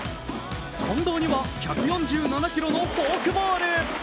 こんどうには１４７キロのフォークボール。